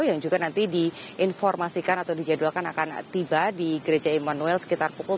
yang juga nanti diinformasikan atau dijadwalkan akan tiba di gereja immanuel sekitar pukul dua belas